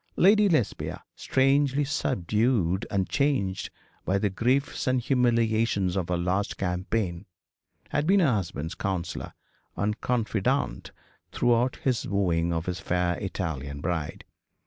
Lady Lesbia, strangely subdued and changed by the griefs and humiliations of her last campaign, had been her brother's counsellor and confidante throughout his wooing of his fair Italian bride.